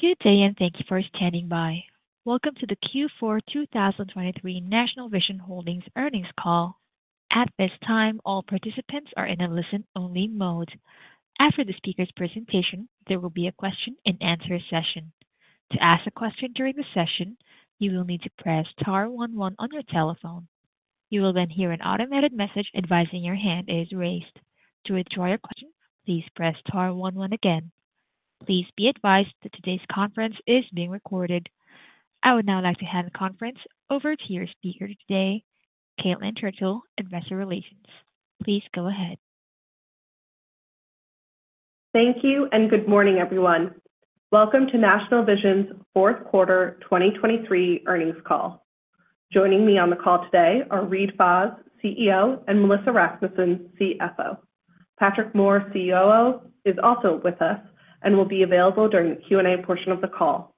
Good day, and thank you for standing by. Welcome to the Q4 2023 National Vision Holdings earnings call. At this time, all participants are in a listen-only mode. After the speaker's presentation, there will be a question-and-answer session. To ask a question during the session, you will need to press star one one on your telephone. You will then hear an automated message advising your hand is raised. To withdraw your question, please press star one one again. Please be advised that today's conference is being recorded. I would now like to hand the conference over to your speaker today, Caitlin Churchill, Investor Relations. Please go ahead. Thank you, and good morning, everyone. Welcome to National Vision's fourth quarter 2023 earnings call. Joining me on the call today are Reade Fahs, CEO, and Melissa Rasmussen, CFO. Patrick Moore, COO, is also with us and will be available during the Q&A portion of the call.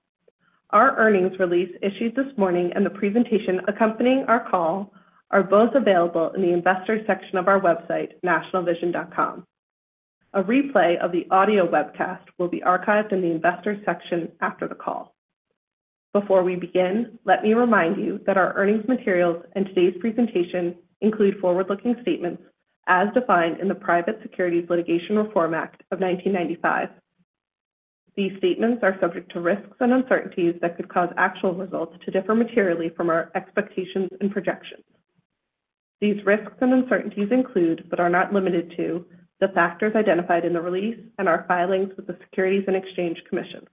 Our earnings release, issued this morning, and the presentation accompanying our call are both available in the Investors section of our website, nationalvision.com. A replay of the audio webcast will be archived in the Investors section after the call. Before we begin, let me remind you that our earnings materials and today's presentation include forward-looking statements as defined in the Private Securities Litigation Reform Act of 1995. These statements are subject to risks and uncertainties that could cause actual results to differ materially from our expectations and projections. These risks and uncertainties include, but are not limited to, the factors identified in the release and our filings with the Securities and Exchange Commission.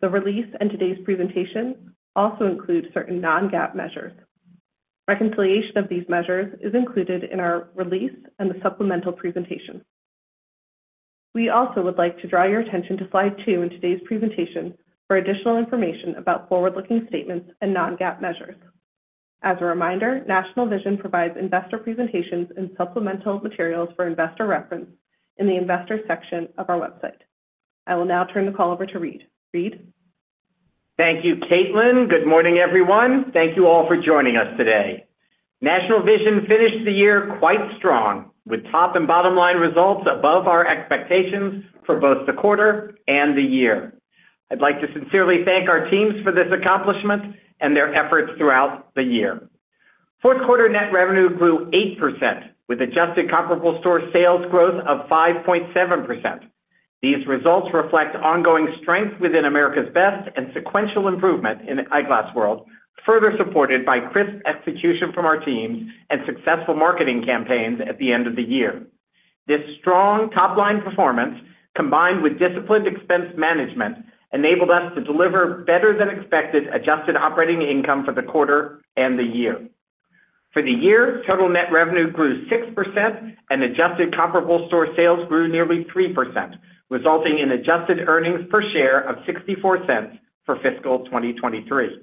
The release and today's presentation also include certain non-GAAP measures. Reconciliation of these measures is included in our release and the supplemental presentation. We also would like to draw your attention to slide two in today's presentation for additional information about forward-looking statements and non-GAAP measures. As a reminder, National Vision provides investor presentations and supplemental materials for investor reference in the Investors section of our website. I will now turn the call over to Reade. Reade? Thank you, Caitlin. Good morning, everyone. Thank you all for joining us today. National Vision finished the year quite strong, with top and bottom line results above our expectations for both the quarter and the year. I'd like to sincerely thank our teams for this accomplishment and their efforts throughout the year. Fourth quarter net revenue grew 8%, with adjusted comparable store sales growth of 5.7%. These results reflect ongoing strength within America's Best and sequential improvement in the Eyeglass World, further supported by crisp execution from our teams and successful marketing campaigns at the end of the year. This strong top-line performance, combined with disciplined expense management, enabled us to deliver better-than-expected adjusted operating income for the quarter and the year. For the year, total net revenue grew 6% and adjusted comparable store sales grew nearly 3%, resulting in adjusted earnings per share of $0.64 for fiscal 2023.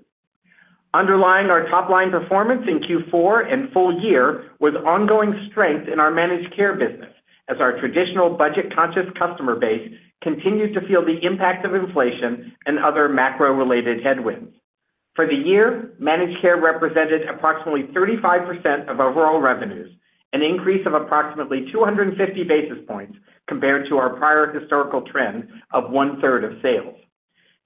Underlying our top-line performance in Q4 and full year was ongoing strength in our managed care business, as our traditional budget-conscious customer base continued to feel the impact of inflation and other macro-related headwinds. For the year, managed care represented approximately 35% of overall revenues, an increase of approximately 250 basis points compared to our prior historical trend of one-third of sales.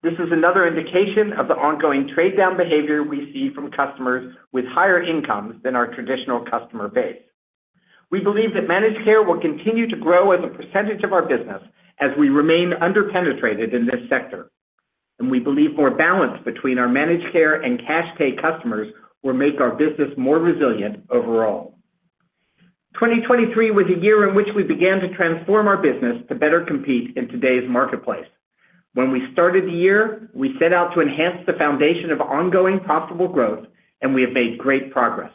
This is another indication of the ongoing trade-down behavior we see from customers with higher incomes than our traditional customer base. We believe that managed care will continue to grow as a percentage of our business as we remain underpenetrated in this sector, and we believe more balance between our managed care and cash pay customers will make our business more resilient overall. 2023 was a year in which we began to transform our business to better compete in today's marketplace. When we started the year, we set out to enhance the foundation of ongoing profitable growth, and we have made great progress.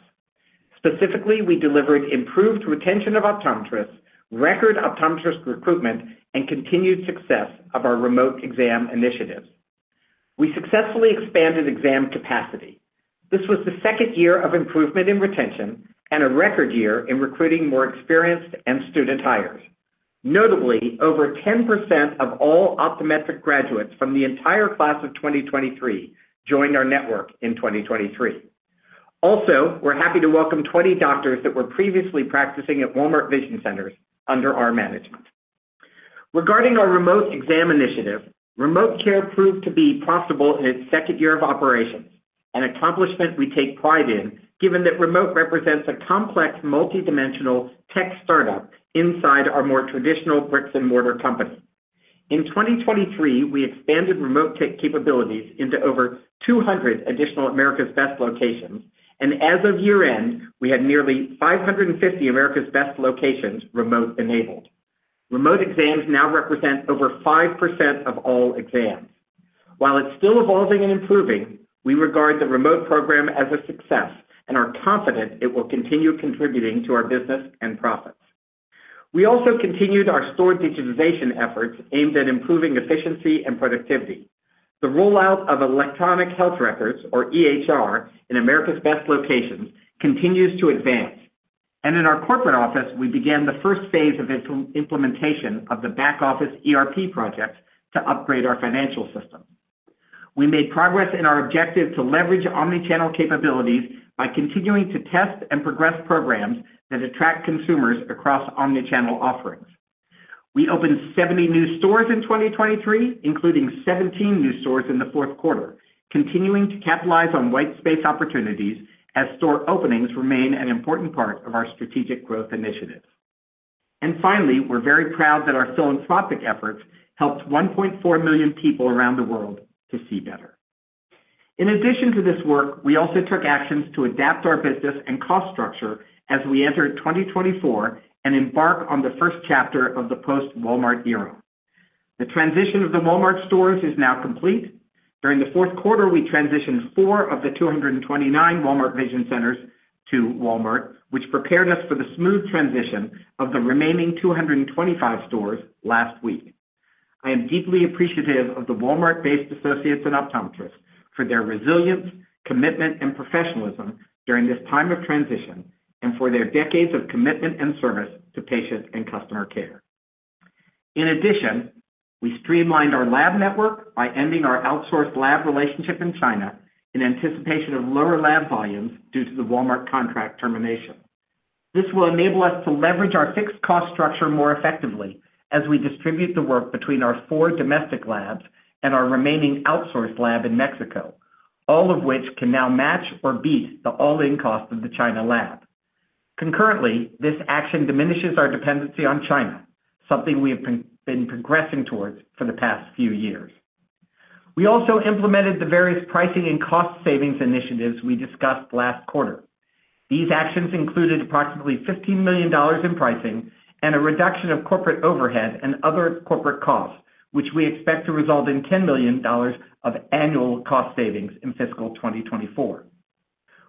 Specifically, we delivered improved retention of optometrists, record optometrist recruitment, and continued success of our remote exam initiatives. We successfully expanded exam capacity. This was the second year of improvement in retention and a record year in recruiting more experienced and student hires. Notably, over 10% of all optometric graduates from the entire class of 2023 joined our network in 2023. Also, we're happy to welcome 20 doctors that were previously practicing at Walmart Vision Centers under our management. Regarding our remote exam initiative, remote care proved to be profitable in its second year of operations, an accomplishment we take pride in, given that remote represents a complex, multidimensional tech startup inside our more traditional bricks-and-mortar company. In 2023, we expanded remote capabilities into over 200 additional America's Best locations, and as of year-end, we had nearly 550 America's Best locations remote-enabled. Remote exams now represent over 5% of all exams. While it's still evolving and improving, we regard the remote program as a success and are confident it will continue contributing to our business and profits. We also continued our store digitization efforts aimed at improving efficiency and productivity. The rollout of electronic health records, or EHR, in America's Best locations continues to advance, and in our corporate office, we began the first phase of implementation of the back office ERP project to upgrade our financial system. We made progress in our objective to leverage omni-channel capabilities by continuing to test and progress programs that attract consumers across omni-channel offerings. We opened 70 new stores in 2023, including 17 new stores in the fourth quarter, continuing to capitalize on white space opportunities as store openings remain an important part of our strategic growth initiatives. And finally, we're very proud that our philanthropic efforts helped 1.4 million people around the world to see better. In addition to this work, we also took actions to adapt our business and cost structure as we entered 2024 and embark on the first chapter of the post-Walmart era. The transition of the Walmart stores is now complete. During the fourth quarter, we transitioned four of the 229 Walmart Vision Centers to Walmart, which prepared us for the smooth transition of the remaining 225 stores last week. I am deeply appreciative of the Walmart-based associates and optometrists for their resilience, commitment, and professionalism during this time of transition, and for their decades of commitment and service to patients and customer care. In addition, we streamlined our lab network by ending our outsourced lab relationship in China in anticipation of lower lab volumes due to the Walmart contract termination. This will enable us to leverage our fixed cost structure more effectively as we distribute the work between our four domestic labs and our remaining outsourced lab in Mexico, all of which can now match or beat the all-in cost of the China lab. Concurrently, this action diminishes our dependency on China, something we have been progressing towards for the past few years. We also implemented the various pricing and cost savings initiatives we discussed last quarter. These actions included approximately $15 million in pricing and a reduction of corporate overhead and other corporate costs, which we expect to result in $10 million of annual cost savings in fiscal 2024.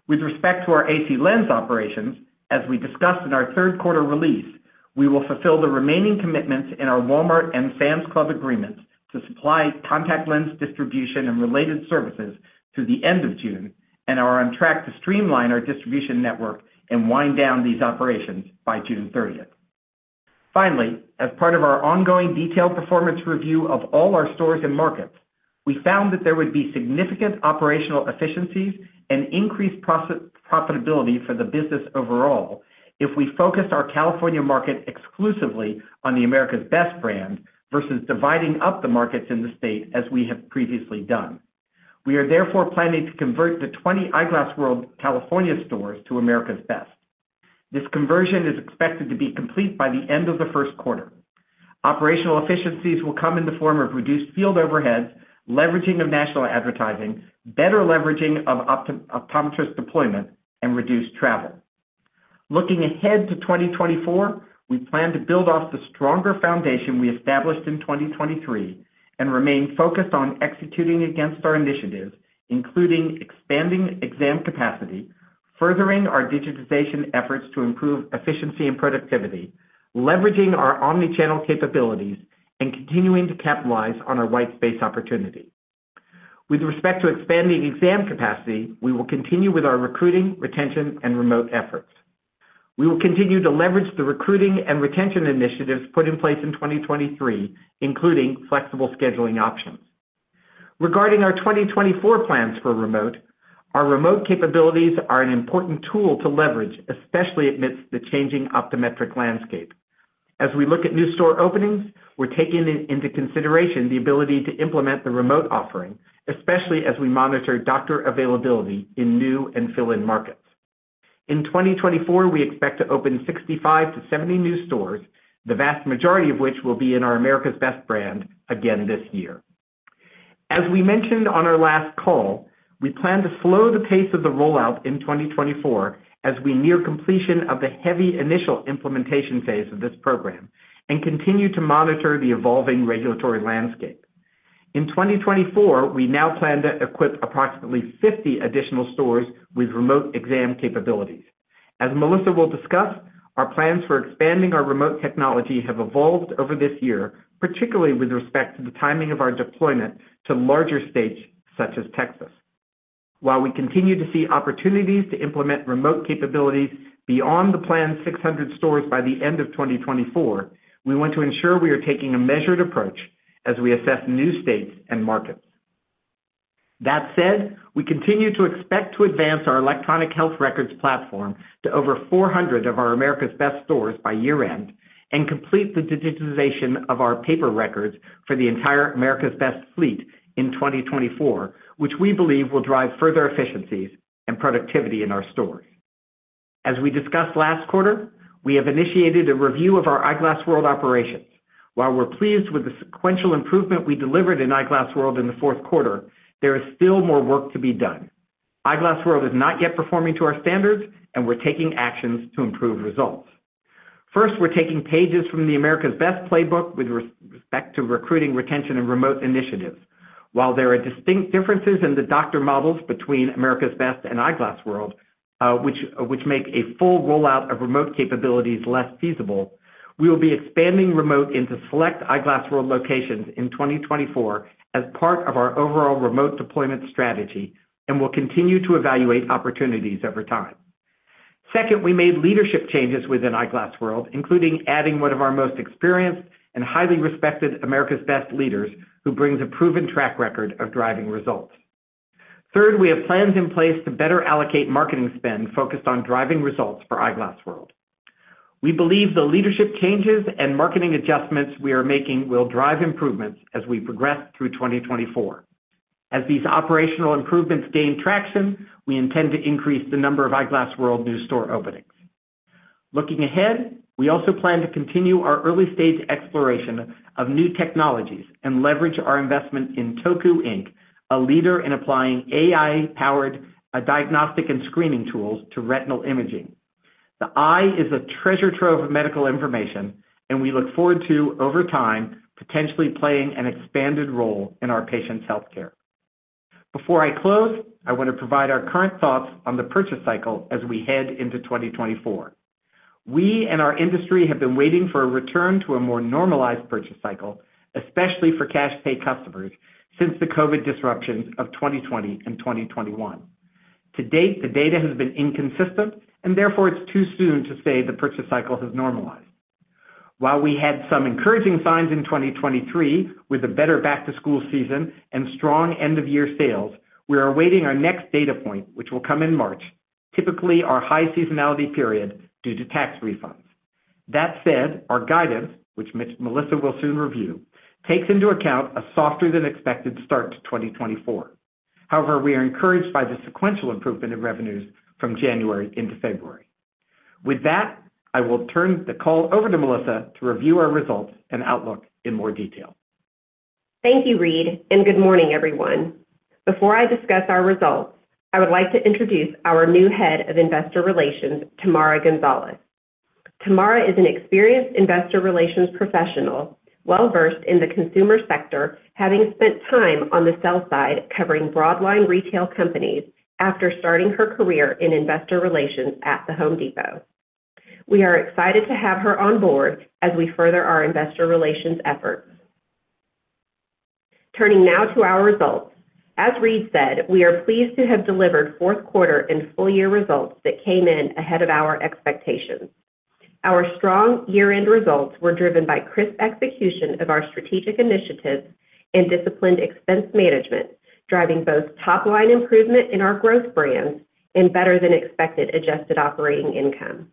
With respect to our AC Lens operations, as we discussed in our third quarter release, we will fulfill the remaining commitments in our Walmart and Sam's Club agreements to supply contact lens distribution and related services through the end of June, and are on track to streamline our distribution network and wind down these operations by June 30th. Finally, as part of our ongoing detailed performance review of all our stores and markets, we found that there would be significant operational efficiencies and increased profitability for the business overall if we focused our California market exclusively on the America's Best brand versus dividing up the markets in the state as we have previously done. We are therefore planning to convert the 20 Eyeglass World California stores to America's Best. This conversion is expected to be complete by the end of the first quarter. Operational efficiencies will come in the form of reduced field overhead, leveraging of national advertising, better leveraging of optometrist deployment, and reduced travel. Looking ahead to 2024, we plan to build off the stronger foundation we established in 2023, and remain focused on executing against our initiatives, including expanding exam capacity, furthering our digitization efforts to improve efficiency and productivity, leveraging our omni-channel capabilities, and continuing to capitalize on our white space opportunity. With respect to expanding exam capacity, we will continue with our recruiting, retention, and remote efforts. We will continue to leverage the recruiting and retention initiatives put in place in 2023, including flexible scheduling options. Regarding our 2024 plans for remote, our remote capabilities are an important tool to leverage, especially amidst the changing optometric landscape. As we look at new store openings, we're taking into consideration the ability to implement the remote offering, especially as we monitor doctor availability in new and fill-in markets. In 2024, we expect to open 65-70 new stores, the vast majority of which will be in our America's Best brand again this year. As we mentioned on our last call, we plan to slow the pace of the rollout in 2024 as we near completion of the heavy initial implementation phase of this program, and continue to monitor the evolving regulatory landscape. In 2024, we now plan to equip approximately 50 additional stores with remote exam capabilities. As Melissa will discuss, our plans for expanding our remote technology have evolved over this year, particularly with respect to the timing of our deployment to larger states such as Texas. While we continue to see opportunities to implement remote capabilities beyond the planned 600 stores by the end of 2024, we want to ensure we are taking a measured approach as we assess new states and markets. That said, we continue to expect to advance our electronic health records platform to over 400 of our America's Best stores by year-end, and complete the digitization of our paper records for the entire America's Best fleet in 2024, which we believe will drive further efficiencies and productivity in our stores. As we discussed last quarter, we have initiated a review of our Eyeglass World operations. While we're pleased with the sequential improvement we delivered in Eyeglass World in the fourth quarter, there is still more work to be done. Eyeglass World is not yet performing to our standards, and we're taking actions to improve results. First, we're taking pages from the America's Best playbook with respect to recruiting, retention, and remote initiatives. While there are distinct differences in the doctor models between America's Best and Eyeglass World, which make a full rollout of remote capabilities less feasible, we will be expanding remote into select Eyeglass World locations in 2024 as part of our overall remote deployment strategy, and will continue to evaluate opportunities over time. Second, we made leadership changes within Eyeglass World, including adding one of our most experienced and highly respected America's Best leaders, who brings a proven track record of driving results. Third, we have plans in place to better allocate marketing spend focused on driving results for Eyeglass World. We believe the leadership changes and marketing adjustments we are making will drive improvements as we progress through 2024. As these operational improvements gain traction, we intend to increase the number of Eyeglass World new store openings. Looking ahead, we also plan to continue our early-stage exploration of new technologies and leverage our investment in Toku, Inc., a leader in applying AI-powered diagnostic and screening tools to retinal imaging. The eye is a treasure trove of medical information, and we look forward to, over time, potentially playing an expanded role in our patients' healthcare. Before I close, I want to provide our current thoughts on the purchase cycle as we head into 2024. We and our industry have been waiting for a return to a more normalized purchase cycle, especially for cash pay customers, since the COVID disruptions of 2020 and 2021. To date, the data has been inconsistent, and therefore it's too soon to say the purchase cycle has normalized. While we had some encouraging signs in 2023, with a better back-to-school season and strong end-of-year sales, we are awaiting our next data point, which will come in March, typically our high seasonality period due to tax refunds. That said, our guidance, which Miss Melissa will soon review, takes into account a softer-than-expected start to 2024. However, we are encouraged by the sequential improvement in revenues from January into February. With that, I will turn the call over to Melissa to review our results and outlook in more detail. Thank you, Reade, and good morning, everyone. Before I discuss our results, I would like to introduce our new Head of Investor Relations, Tamara Gonzalez. Tamara is an experienced investor relations professional, well-versed in the consumer sector, having spent time on the sell side, covering broad line retail companies after starting her career in investor relations at The Home Depot. We are excited to have her on board as we further our investor relations efforts. Turning now to our results. As Reade said, we are pleased to have delivered fourth quarter and full-year results that came in ahead of our expectations. Our strong year-end results were driven by crisp execution of our strategic initiatives and disciplined expense management, driving both top-line improvement in our growth brands and better-than-expected adjusted operating income.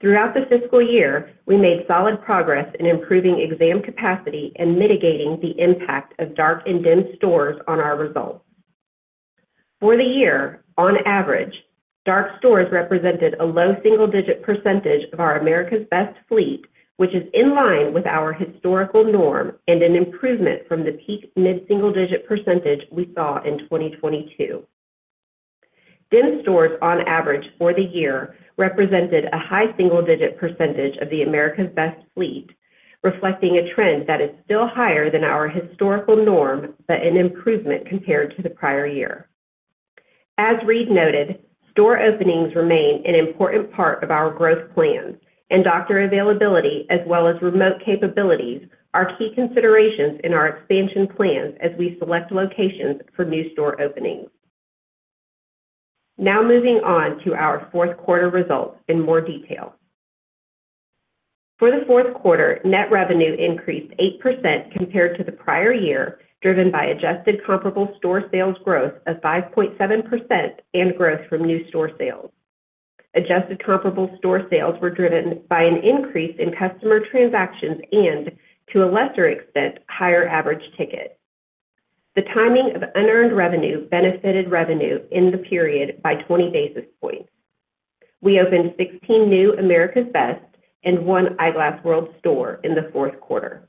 Throughout the fiscal year, we made solid progress in improving exam capacity and mitigating the impact of dark and dim stores on our results. For the year, on average, dark stores represented a low single-digit percentage of our America's Best fleet, which is in line with our historical norm and an improvement from the peak mid-single-digit percentage we saw in 2022. Dim stores, on average for the year, represented a high single-digit percentage of the America's Best fleet, reflecting a trend that is still higher than our historical norm, but an improvement compared to the prior year. As Reade noted, store openings remain an important part of our growth plans, and doctor availability, as well as remote capabilities, are key considerations in our expansion plans as we select locations for new store openings. Now moving on to our fourth quarter results in more detail. For the fourth quarter, net revenue increased 8% compared to the prior year, driven by adjusted comparable store sales growth of 5.7% and growth from new store sales. Adjusted Comparable Store Sales were driven by an increase in customer transactions and, to a lesser extent, higher average ticket. The timing of unearned revenue benefited revenue in the period by 20 basis points. We opened 16 new America's Best and one Eyeglass World store in the fourth quarter.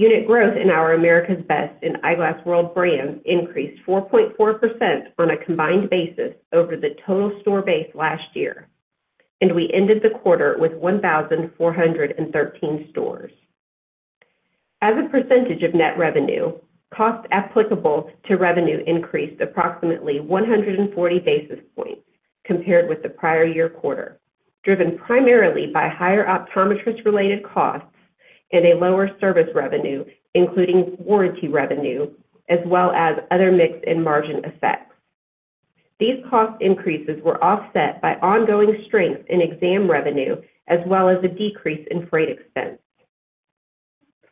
Unit growth in our America's Best and Eyeglass World brands increased 4.4% on a combined basis over the total store base last year, and we ended the quarter with 1,413 stores. As a percentage of net revenue, costs applicable to revenue increased approximately 140 basis points compared with the prior year quarter, driven primarily by higher optometrist-related costs and a lower service revenue, including warranty revenue, as well as other mix and margin effects. These cost increases were offset by ongoing strength in exam revenue, as well as a decrease in freight expense.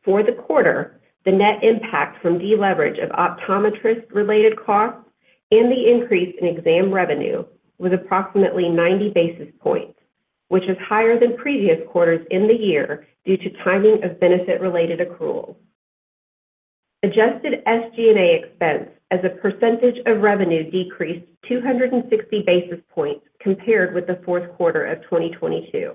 For the quarter, the net impact from deleverage of optometrist-related costs and the increase in exam revenue was approximately 90 basis points, which is higher than previous quarters in the year due to timing of benefit-related accruals. Adjusted SG&A expense as a percentage of revenue decreased 260 basis points compared with the fourth quarter of 2022.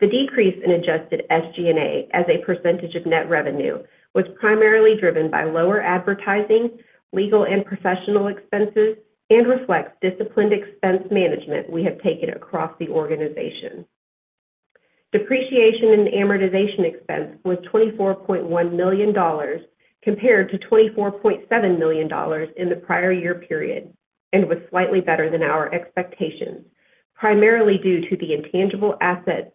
The decrease in adjusted SG&A as a percentage of net revenue was primarily driven by lower advertising, legal and professional expenses, and reflects disciplined expense management we have taken across the organization. Depreciation and amortization expense was $24.1 million, compared to $24.7 million in the prior year period, and was slightly better than our expectations, primarily due to the intangible asset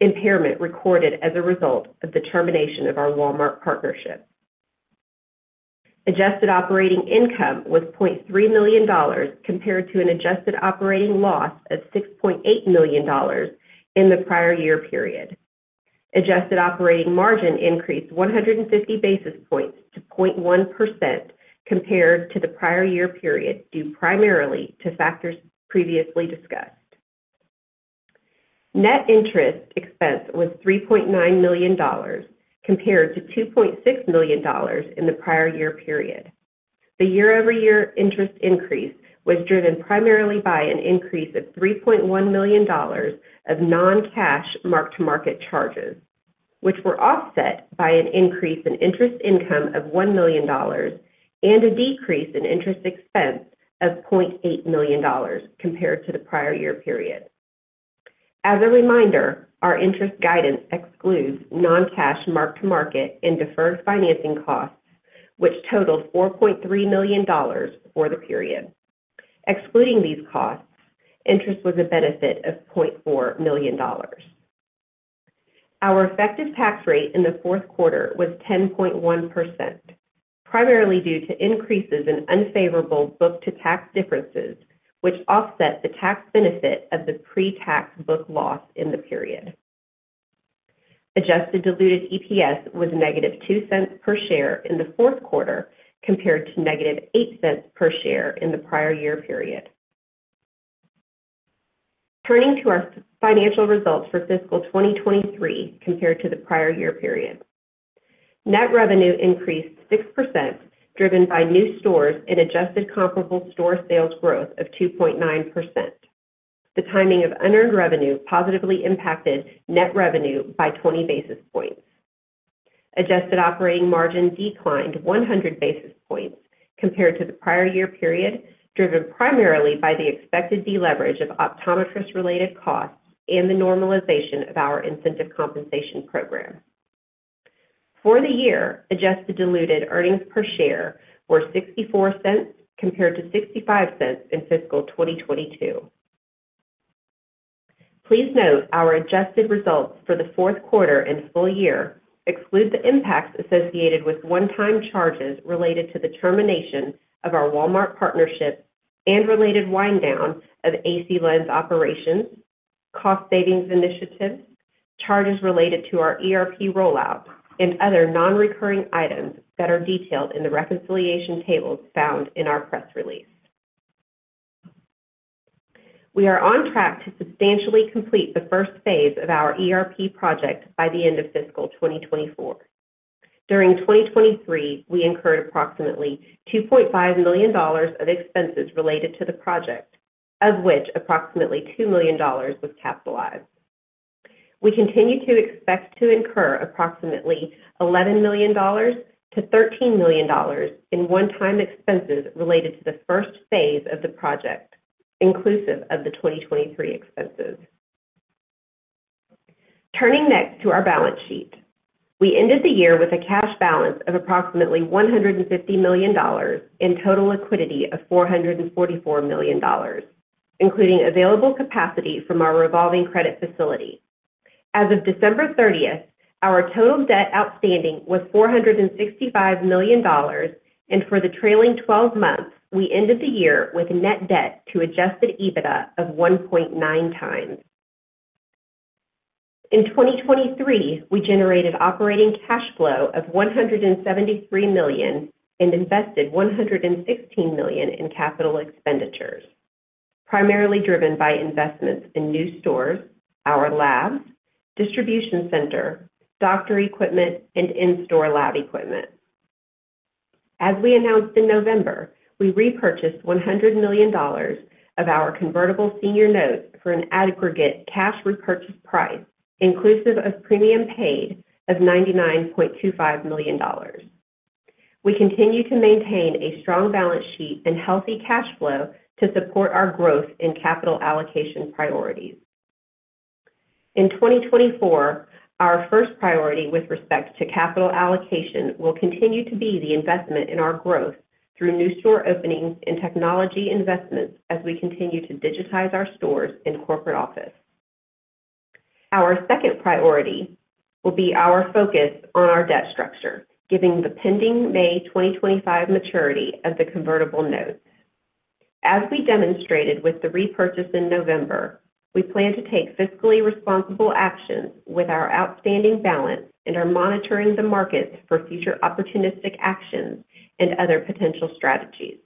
impairment recorded as a result of the termination of our Walmart partnership.... Adjusted operating income was $0.3 million compared to an adjusted operating loss of $6.8 million in the prior year period. Adjusted operating margin increased 150 basis points to 0.1% compared to the prior year period, due primarily to factors previously discussed. Net interest expense was $3.9 million, compared to $2.6 million in the prior year period. The year-over-year interest increase was driven primarily by an increase of $3.1 million of non-cash mark-to-market charges, which were offset by an increase in interest income of $1 million and a decrease in interest expense of $0.8 million compared to the prior year period. As a reminder, our interest guidance excludes non-cash mark-to-market and deferred financing costs, which totaled $4.3 million for the period. Excluding these costs, interest was a benefit of $0.4 million. Our effective tax rate in the fourth quarter was 10.1%, primarily due to increases in unfavorable book-to-tax differences, which offset the tax benefit of the pretax book loss in the period. Adjusted Diluted EPS was -$0.02 per share in the fourth quarter, compared to -$0.08 per share in the prior year period. Turning to our financial results for fiscal 2023 compared to the prior year period. Net revenue increased 6%, driven by new stores and adjusted comparable store sales growth of 2.9%. The timing of unearned revenue positively impacted net revenue by 20 basis points. Adjusted operating margin declined 100 basis points compared to the prior year period, driven primarily by the expected deleverage of optometrist-related costs and the normalization of our incentive compensation program. For the year, adjusted diluted earnings per share were $0.64 compared to $0.65 in fiscal 2022. Please note, our adjusted results for the fourth quarter and full year exclude the impacts associated with one-time charges related to the termination of our Walmart partnership and related wind down of AC Lens operations, cost savings initiatives, charges related to our ERP rollout, and other nonrecurring items that are detailed in the reconciliation tables found in our press release. We are on track to substantially complete the first phase of our ERP project by the end of fiscal 2024. During 2023, we incurred approximately $2.5 million of expenses related to the project, of which approximately $2 million was capitalized. We continue to expect to incur approximately $11 million-$13 million in one-time expenses related to the first phase of the project, inclusive of the 2023 expenses. Turning next to our balance sheet. We ended the year with a cash balance of approximately $150 million in total liquidity of $444 million, including available capacity from our revolving credit facility. As of December 30th, our total debt outstanding was $465 million, and for the trailing twelve months, we ended the year with net debt to adjusted EBITDA of 1.9x. In 2023, we generated operating cash flow of $173 million and invested $116 million in capital expenditures, primarily driven by investments in new stores, our labs, distribution center, doctor equipment, and in-store lab equipment. As we announced in November, we repurchased $100 million of our Convertible Senior Notes for an aggregate cash repurchase price, inclusive of premium paid of $99.25 million. We continue to maintain a strong balance sheet and healthy cash flow to support our growth and capital allocation priorities. In 2024, our first priority with respect to capital allocation will continue to be the investment in our growth through new store openings and technology investments as we continue to digitize our stores and corporate office. Our second priority will be our focus on our debt structure, given the pending May 2025 maturity of the convertible notes. As we demonstrated with the repurchase in November, we plan to take fiscally responsible actions with our outstanding balance and are monitoring the markets for future opportunistic actions and other potential strategies.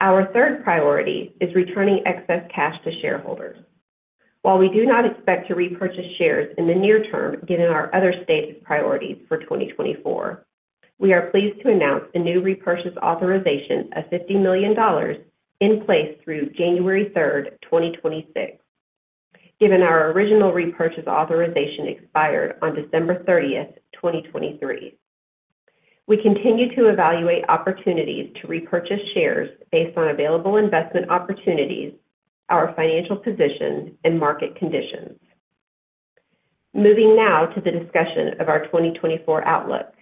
Our third priority is returning excess cash to shareholders. While we do not expect to repurchase shares in the near term, given our other stated priorities for 2024, we are pleased to announce a new repurchase authorization of $50 million in place through January 3rd, 2026, given our original repurchase authorization expired on December 30th, 2023. We continue to evaluate opportunities to repurchase shares based on available investment opportunities, our financial position, and market conditions. Moving now to the discussion of our 2024 outlook.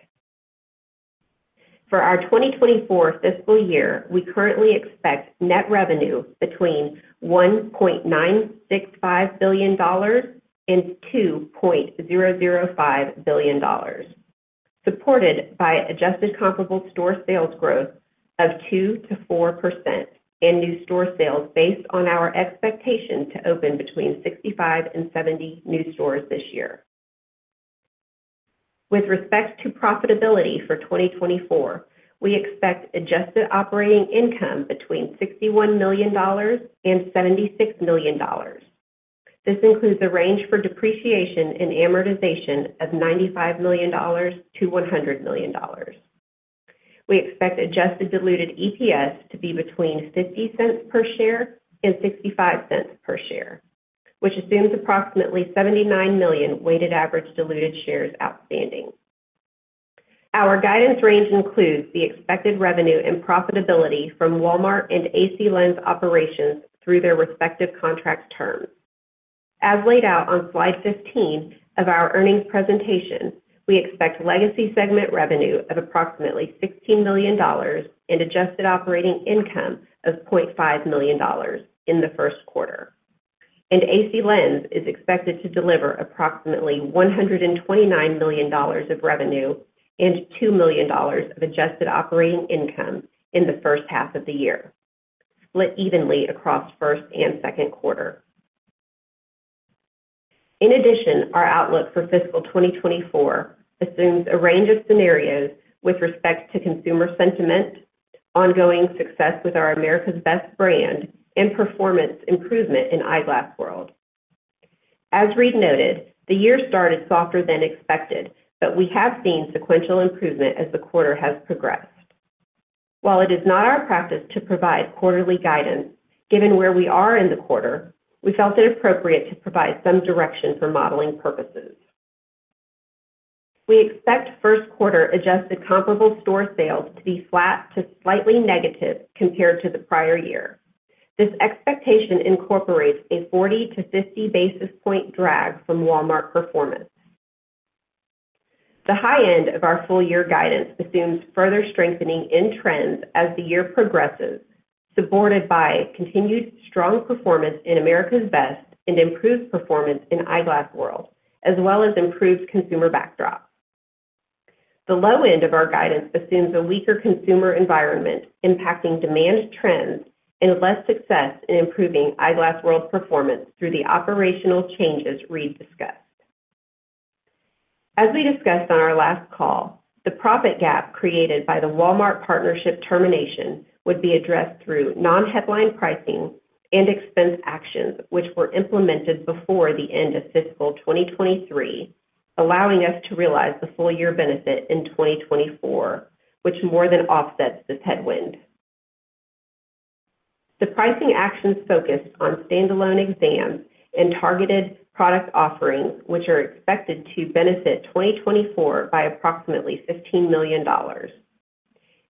For our 2024 fiscal year, we currently expect net revenue between $1.965 billion and $2.005 billion.... supported by adjusted comparable store sales growth of 2%-4% in new store sales based on our expectation to open between 65 and 70 new stores this year. With respect to profitability for 2024, we expect adjusted operating income between $61 million and $76 million. This includes the range for depreciation and amortization of $95 million-$100 million. We expect adjusted diluted EPS to be between $0.50 per share and $0.65 per share, which assumes approximately 79 million weighted average diluted shares outstanding. Our guidance range includes the expected revenue and profitability from Walmart and AC Lens operations through their respective contract terms. As laid out on slide 15 of our earnings presentation, we expect legacy segment revenue of approximately $16 million and adjusted operating income of $0.5 million in the first quarter. AC Lens is expected to deliver approximately $129 million of revenue and $2 million of adjusted operating income in the first half of the year, split evenly across first and second quarter. In addition, our outlook for fiscal 2024 assumes a range of scenarios with respect to consumer sentiment, ongoing success with our America's Best brand, and performance improvement in Eyeglass World. As Reade noted, the year started softer than expected, but we have seen sequential improvement as the quarter has progressed. While it is not our practice to provide quarterly guidance, given where we are in the quarter, we felt it appropriate to provide some direction for modeling purposes. We expect first quarter adjusted comparable store sales to be flat to slightly negative compared to the prior year. This expectation incorporates a 40-50 basis point drag from Walmart performance. The high end of our full year guidance assumes further strengthening in trends as the year progresses, supported by continued strong performance in America's Best and improved performance in Eyeglass World, as well as improved consumer backdrop. The low end of our guidance assumes a weaker consumer environment, impacting demand trends and less success in improving Eyeglass World's performance through the operational changes Reade discussed. As we discussed on our last call, the profit gap created by the Walmart partnership termination would be addressed through non-headline pricing and expense actions, which were implemented before the end of fiscal 2023, allowing us to realize the full year benefit in 2024, which more than offsets this headwind. The pricing actions focused on standalone exams and targeted product offerings, which are expected to benefit 2024 by approximately $15 million.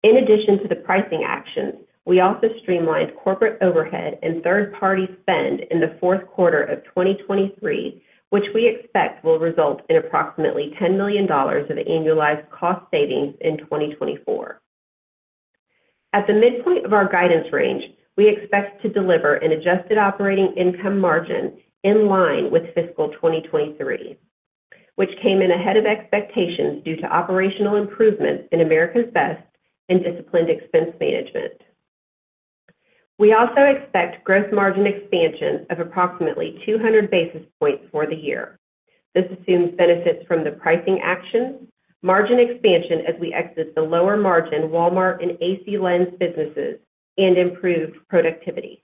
In addition to the pricing actions, we also streamlined corporate overhead and third-party spend in the fourth quarter of 2023, which we expect will result in approximately $10 million of annualized cost savings in 2024. At the midpoint of our guidance range, we expect to deliver an adjusted operating income margin in line with fiscal 2023, which came in ahead of expectations due to operational improvements in America's Best and disciplined expense management. We also expect gross margin expansion of approximately 200 basis points for the year. This assumes benefits from the pricing actions, margin expansion as we exit the lower-margin Walmart and AC Lens businesses, and improved productivity.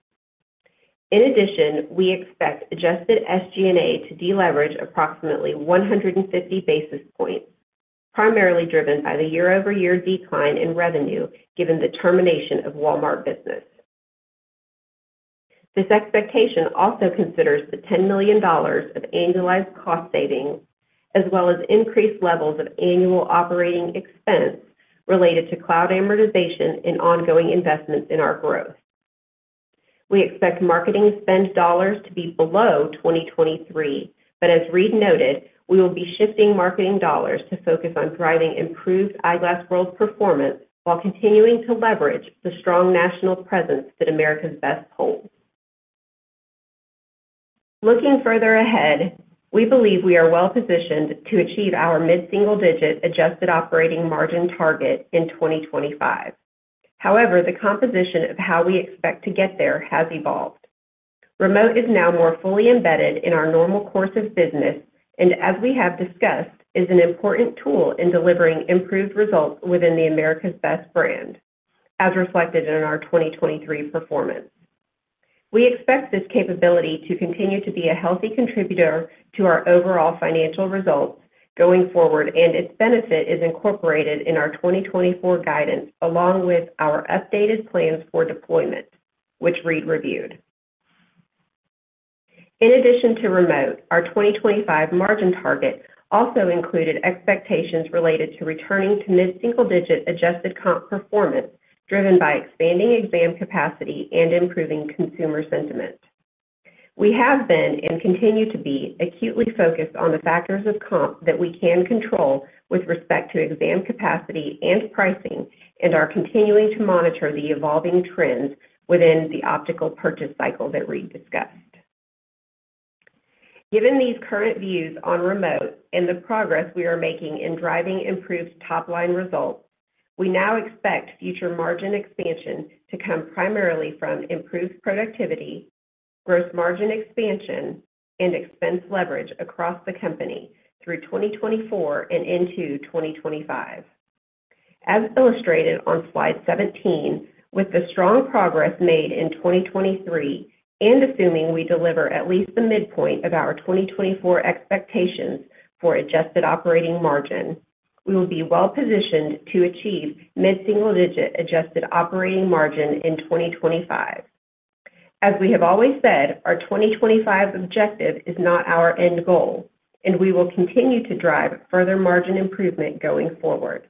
In addition, we expect adjusted SG&A to deleverage approximately 150 basis points, primarily driven by the year-over-year decline in revenue, given the termination of Walmart business. This expectation also considers the $10 million of annualized cost savings, as well as increased levels of annual operating expense related to cloud amortization and ongoing investments in our growth. We expect marketing spend dollars to be below 2023, but as Reade noted, we will be shifting marketing dollars to focus on driving improved Eyeglass World performance while continuing to leverage the strong national presence that America's Best holds. Looking further ahead, we believe we are well positioned to achieve our mid-single-digit adjusted operating margin target in 2025. However, the composition of how we expect to get there has evolved. Remote is now more fully embedded in our normal course of business, and as we have discussed, is an important tool in delivering improved results within the America's Best brand, as reflected in our 2023 performance. We expect this capability to continue to be a healthy contributor to our overall financial results going forward, and its benefit is incorporated in our 2024 guidance, along with our updated plans for deployment, which Reade reviewed. In addition to remote, our 2025 margin target also included expectations related to returning to mid-single-digit adjusted comp performance, driven by expanding exam capacity and improving consumer sentiment. We have been, and continue to be, acutely focused on the factors of comp that we can control with respect to exam capacity and pricing, and are continuing to monitor the evolving trends within the optical purchase cycle that Reade discussed. Given these current views on remote and the progress we are making in driving improved top-line results, we now expect future margin expansion to come primarily from improved productivity, gross margin expansion, and expense leverage across the company through 2024 and into 2025. As illustrated on slide 17, with the strong progress made in 2023, and assuming we deliver at least the midpoint of our 2024 expectations for adjusted operating margin, we will be well positioned to achieve mid-single-digit adjusted operating margin in 2025. As we have always said, our 2025 objective is not our end goal, and we will continue to drive further margin improvement going forward.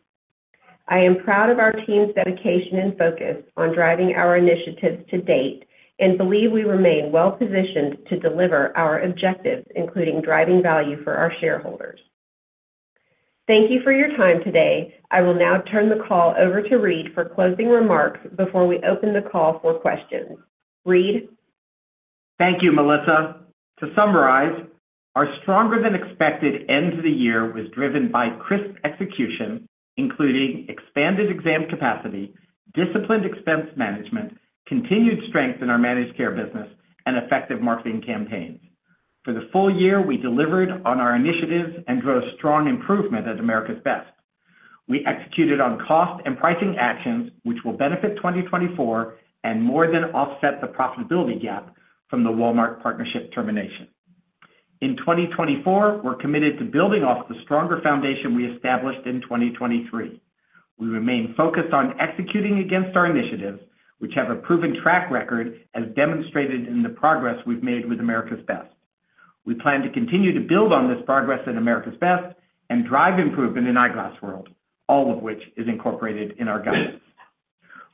I am proud of our team's dedication and focus on driving our initiatives to date, and believe we remain well positioned to deliver our objectives, including driving value for our shareholders. Thank you for your time today. I will now turn the call over to Reade for closing remarks before we open the call for questions. Reade? Thank you, Melissa. To summarize, our stronger than expected end to the year was driven by crisp execution, including expanded exam capacity, disciplined expense management, continued strength in our managed care business, and effective marketing campaigns. For the full year, we delivered on our initiatives and drove strong improvement at America's Best. We executed on cost and pricing actions, which will benefit 2024 and more than offset the profitability gap from the Walmart partnership termination. In 2024, we're committed to building off the stronger foundation we established in 2023. We remain focused on executing against our initiatives, which have a proven track record, as demonstrated in the progress we've made with America's Best. We plan to continue to build on this progress at America's Best and drive improvement in Eyeglass World, all of which is incorporated in our guidance.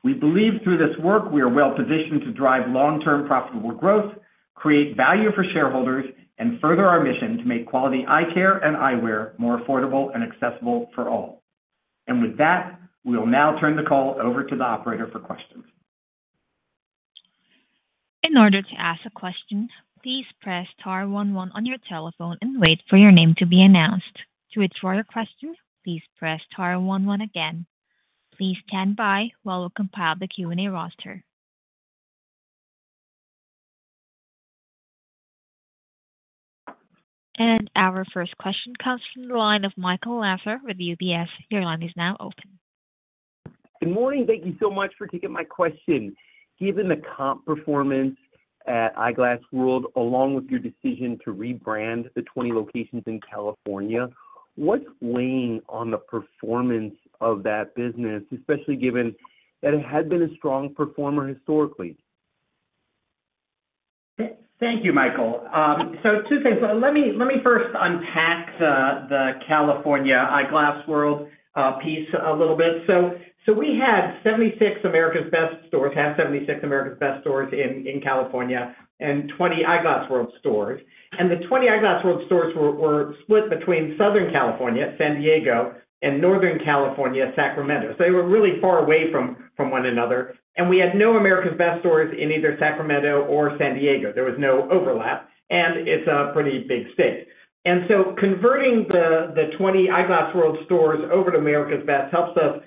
We believe through this work, we are well positioned to drive long-term profitable growth, create value for shareholders, and further our mission to make quality eye care and eyewear more affordable and accessible for all. With that, we will now turn the call over to the operator for questions. In order to ask a question, please press star one one on your telephone and wait for your name to be announced. To withdraw your question, please press star one one again. Please stand by while we compile the Q&A roster. Our first question comes from the line of Michael Lasser with UBS. Your line is now open. Good morning. Thank you so much for taking my question. Given the comp performance at Eyeglass World, along with your decision to rebrand the 20 locations in California, what's weighing on the performance of that business, especially given that it had been a strong performer historically? Thank you, Michael. So two things. Let me first unpack the California Eyeglass World piece a little bit. So we had 76 America's Best stores in California and 20 Eyeglass World stores. And the 20 Eyeglass World stores were split between Southern California, San Diego, and Northern California, Sacramento. So they were really far away from one another, and we had no America's Best stores in either Sacramento or San Diego. There was no overlap, and it's a pretty big state. And so converting the 20 Eyeglass World stores over to America's Best helps us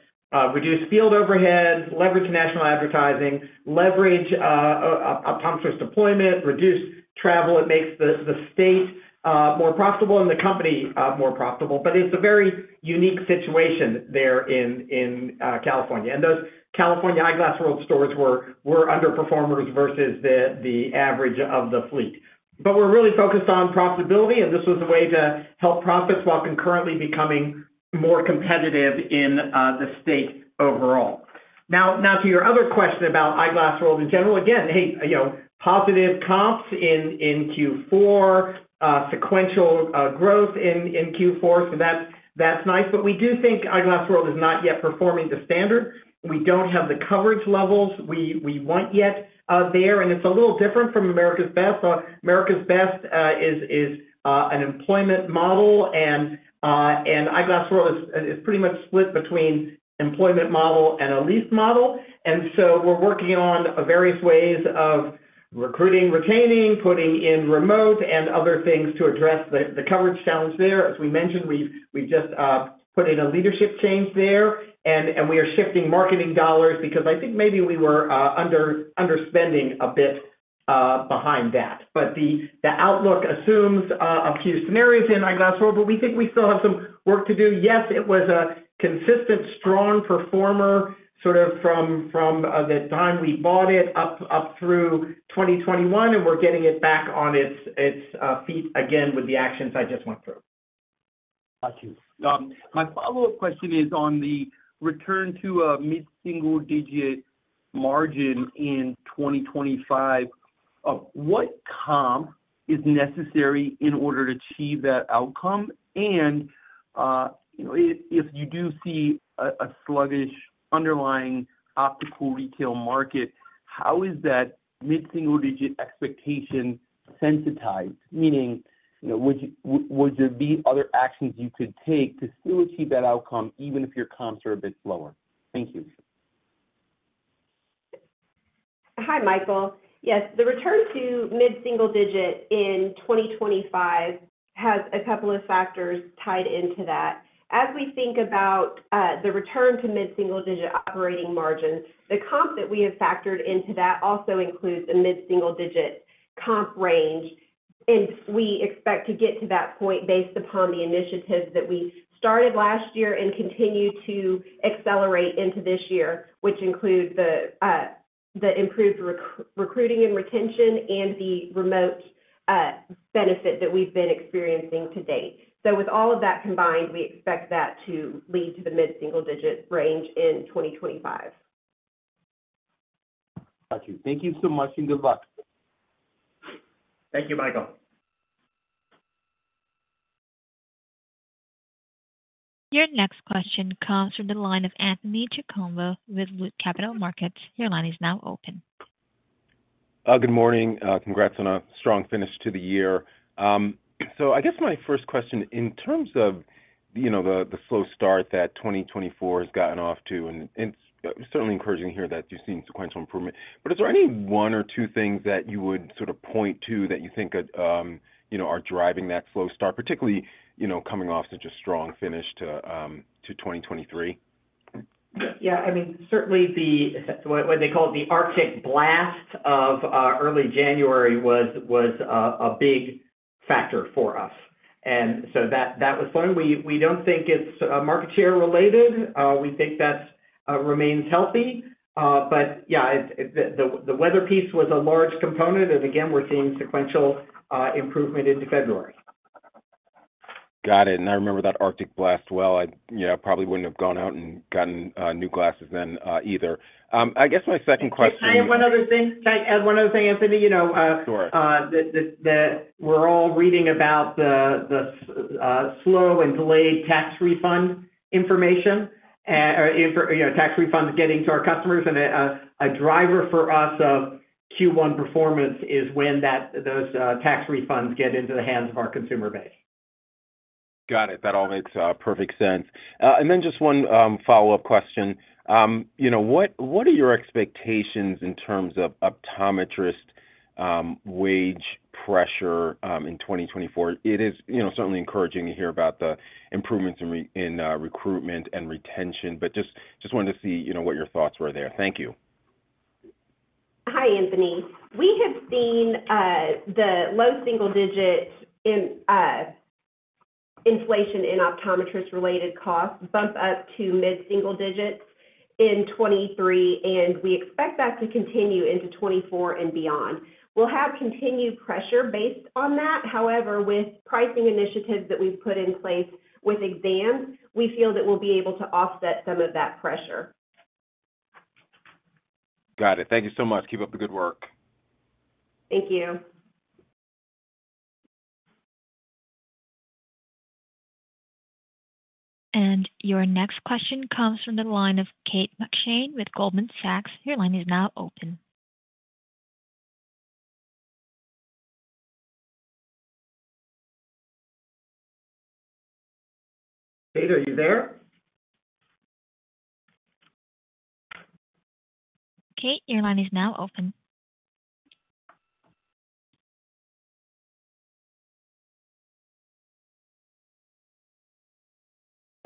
reduce field overhead, leverage national advertising, leverage optometrist deployment, reduce travel. It makes the state more profitable and the company more profitable. But it's a very unique situation there in California. Those California Eyeglass World stores were underperformers versus the average of the fleet. But we're really focused on profitability, and this was a way to help profits while concurrently becoming more competitive in the state overall. Now, to your other question about Eyeglass World in general, again, hey, you know, positive comps in Q4, sequential growth in Q4, so that's nice. But we do think Eyeglass World is not yet performing to standard. We don't have the coverage levels we want yet there, and it's a little different from America's Best. America's Best is an employment model, and Eyeglass World is pretty much split between employment model and a lease model. So we're working on various ways of recruiting, retaining, putting in remote and other things to address the coverage challenge there. As we mentioned, we've just put in a leadership change there, and we are shifting marketing dollars because I think maybe we were underspending a bit behind that. But the outlook assumes a few scenarios in Eyeglass World, but we think we still have some work to do. Yes, it was a consistent, strong performer, sort of from the time we bought it up through 2021, and we're getting it back on its feet again with the actions I just went through. Thank you. My follow-up question is on the return to a mid-single digit margin in 2025. What comp is necessary in order to achieve that outcome? And, you know, if you do see a sluggish underlying optical retail market, how is that mid-single digit expectation sensitized? Meaning, you know, would you—would there be other actions you could take to still achieve that outcome, even if your comps are a bit lower? Thank you.... Hi, Michael. Yes, the return to mid-single-digit in 2025 has a couple of factors tied into that. As we think about, the return to mid-single-digit operating margin, the comp that we have factored into that also includes a mid-single-digit comp range, and we expect to get to that point based upon the initiatives that we started last year and continue to accelerate into this year, which include the, the improved recruiting and retention and the remote, benefit that we've been experiencing to date. So with all of that combined, we expect that to lead to the mid-single-digit range in 2025. Got you. Thank you so much, and good luck. Thank you, Michael. Your next question comes from the line of Anthony Chukumba with Loop Capital Markets. Your line is now open. Good morning. Congrats on a strong finish to the year. So I guess my first question, in terms of, you know, the slow start that 2024 has gotten off to, and it's certainly encouraging to hear that you're seeing sequential improvement. But is there any one or two things that you would sort of point to that you think could, you know, are driving that slow start, particularly, you know, coming off such a strong finish to 2023? Yeah, I mean, certainly the, what they call the Arctic blast of early January was a big factor for us. And so that was one. We don't think it's market share related. We think that remains healthy. But, yeah, the weather piece was a large component, and again, we're seeing sequential improvement into February. Got it. I remember that Arctic blast well. I, you know, probably wouldn't have gone out and gotten new glasses then, either. I guess my second question- Can I add one other thing? Can I add one other thing, Anthony? You know, Sure. We're all reading about the slow and delayed tax refund information, you know, tax refunds getting to our customers, and a driver for us of Q1 performance is when those tax refunds get into the hands of our consumer base. Got it. That all makes perfect sense. And then just one follow-up question. You know, what are your expectations in terms of optometrist wage pressure in 2024? It is, you know, certainly encouraging to hear about the improvements in recruitment and retention, but just wanted to see, you know, what your thoughts were there. Thank you. Hi, Anthony. We have seen the low single digits in inflation in optometrist-related costs bump up to mid-single digits in 2023, and we expect that to continue into 2024 and beyond. We'll have continued pressure based on that. However, with pricing initiatives that we've put in place with exams, we feel that we'll be able to offset some of that pressure. Got it. Thank you so much. Keep up the good work. Thank you. Your next question comes from the line of Kate McShane with Goldman Sachs. Your line is now open. Kate, are you there? Kate, your line is now open.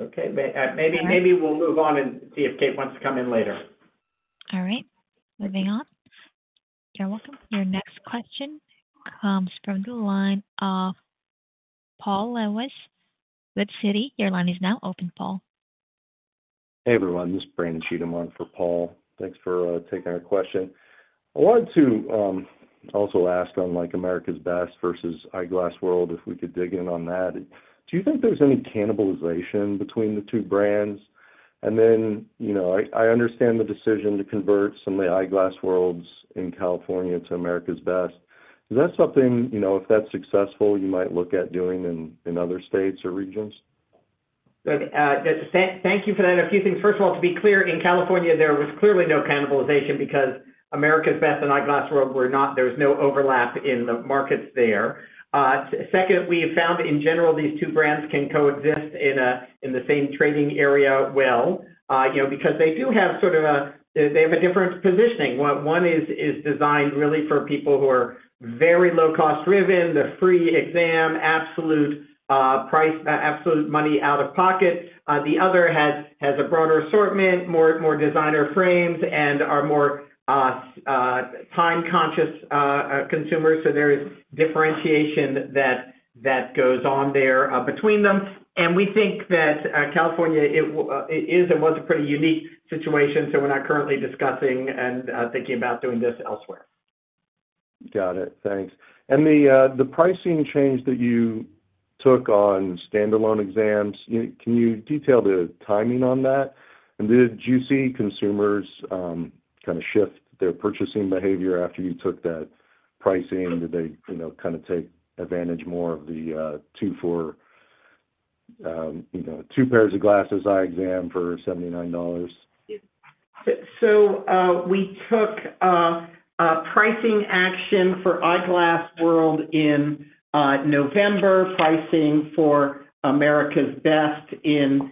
Okay. Maybe, maybe we'll move on and see if Kate wants to come in later. All right, moving on. You're welcome. Your next question comes from the line of Paul Lejuez with Citi. Your line is now open, Paul. Hey, everyone, this is Brandon Cheatham on for Paul. Thanks for taking our question. I wanted to also ask on, like, America's Best versus Eyeglass World, if we could dig in on that. Do you think there's any cannibalization between the two brands? And then, you know, I understand the decision to convert some of the Eyeglass Worlds in California to America's Best. Is that something, you know, if that's successful, you might look at doing in other states or regions? Good. Thank you for that. A few things. First of all, to be clear, in California, there was clearly no cannibalization because America's Best and Eyeglass World were not -- there was no overlap in the markets there. Second, we have found in general, these two brands can coexist in a in the same trading area well, you know, because they do have sort of a they have a different positioning. One, one is, is designed really for people who are very low cost driven, the free exam, absolute, price, absolute money out of pocket. The other has, has a broader assortment, more, more designer frames and are more, time conscious, consumers. So there is differentiation that, that goes on there, between them. We think that California, it is and was a pretty unique situation, so we're not currently discussing and thinking about doing this elsewhere. Got it. Thanks. And the pricing change that you took on standalone exams, can you detail the timing on that? And did you see consumers kind of shift their purchasing behavior after you took that pricing? Did they, you know, kind of take advantage more of the two pairs of glasses, eye exam for $79? So, we took a pricing action for Eyeglass World in November, pricing for America's Best in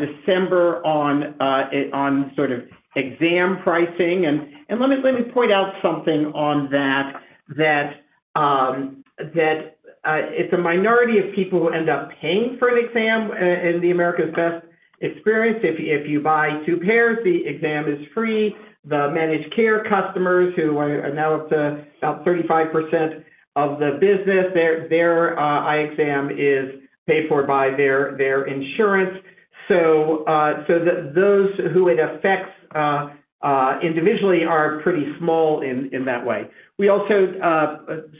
December on sort of exam pricing. And let me point out something on that, that it's a minority of people who end up paying for an exam in the America's Best experience. If you buy two pairs, the exam is free. The managed care customers, who are now up to about 35% of the business, their eye exam is paid for by their insurance. So those who it affects individually are pretty small in that way. We also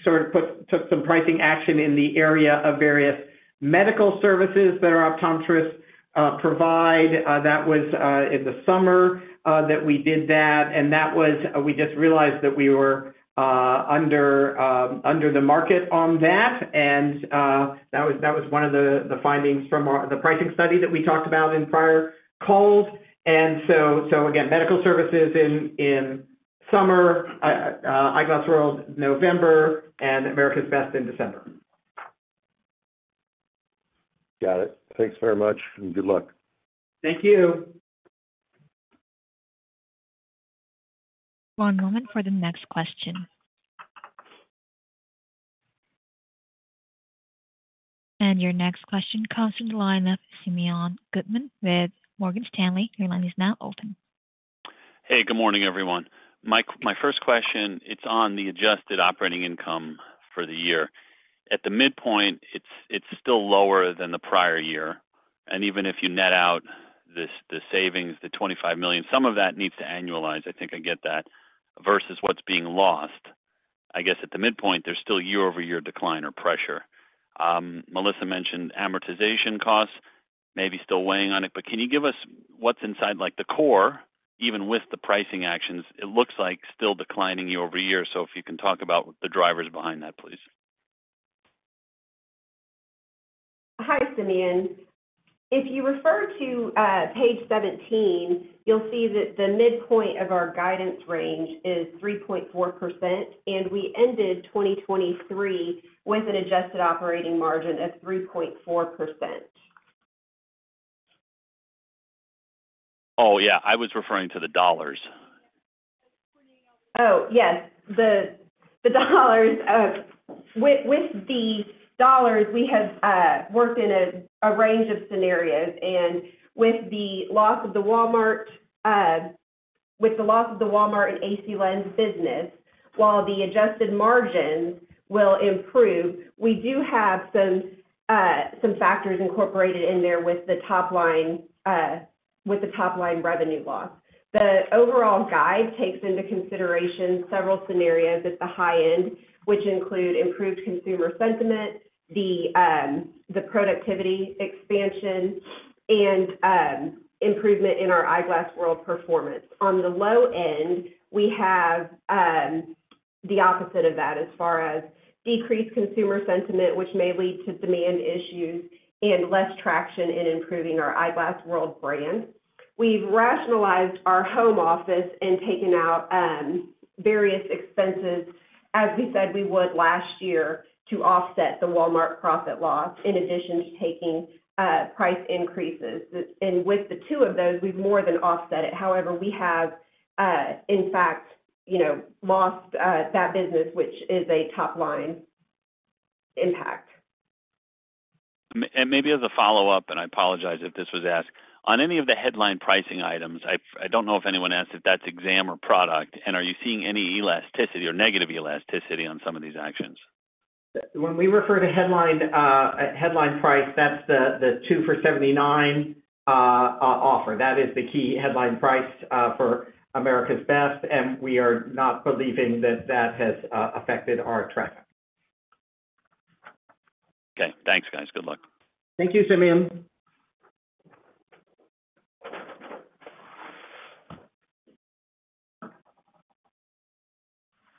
sort of took some pricing action in the area of various medical services that our optometrists provide. That was in the summer that we did that, and that was. We just realized that we were under the market on that. And that was one of the findings from our pricing study that we talked about in prior calls. And so again, medical services in summer, Eyeglass World, November, and America's Best in December. Got it! Thanks very much, and good luck. Thank you. One moment for the next question. Your next question comes from the line of Simeon Gutman with Morgan Stanley. Your line is now open. Hey, good morning, everyone. My, my first question, it's on the adjusted operating income for the year. At the midpoint, it's, it's still lower than the prior year, and even if you net out the savings, the $25 million, some of that needs to annualize. I think I get that, versus what's being lost. I guess at the midpoint, there's still year-over-year decline or pressure. Melissa mentioned amortization costs may be still weighing on it, but can you give us what's inside, like, the core, even with the pricing actions? It looks like still declining year-over-year. So if you can talk about the drivers behind that, please. Hi, Simeon. If you refer to page 17, you'll see that the midpoint of our guidance range is 3.4%, and we ended 2023 with an adjusted operating margin of 3.4%. Oh, yeah, I was referring to the dollars. Oh, yes, the dollars. With the dollars, we have worked in a range of scenarios, and with the loss of the Walmart and AC Lens business, while the adjusted margins will improve, we do have some factors incorporated in there with the top line revenue loss. The overall guide takes into consideration several scenarios at the high end, which include improved consumer sentiment, the productivity expansion and improvement in our Eyeglass World performance. On the low end, we have the opposite of that as far as decreased consumer sentiment, which may lead to demand issues and less traction in improving our Eyeglass World brand. We've rationalized our home office and taken out various expenses, as we said we would last year, to offset the Walmart profit loss, in addition to taking price increases. And with the two of those, we've more than offset it. However, we have in fact, you know, lost that business, which is a top-line impact. Maybe as a follow-up, and I apologize if this was asked: On any of the headline pricing items, I don't know if anyone asked if that's exam or product, and are you seeing any elasticity or negative elasticity on some of these actions? When we refer to headline, headline price, that's the, the two for $79, offer. That is the key headline price, for America's Best, and we are not believing that that has, affected our traffic. Okay, thanks, guys. Good luck. Thank you, Simeon.